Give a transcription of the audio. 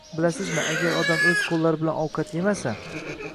Bilasizmi, agar odam o‘z qo‘llari bilan ovqat yemasa